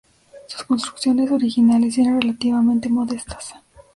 Sus construcciones originales eran relativamente modestas.